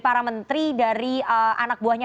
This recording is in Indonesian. para menteri dari anak buahnya